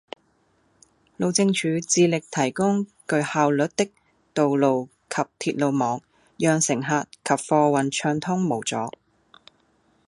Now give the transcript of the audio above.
路政署致力提供具效率的道路及鐵路網，讓乘客及貨運暢通無阻